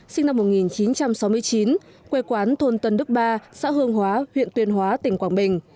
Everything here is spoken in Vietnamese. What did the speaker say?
sinh năm một nghìn chín trăm sáu mươi chín quê quán thôn tân đức ba xã hương hóa huyện tuyên hóa tỉnh quảng bình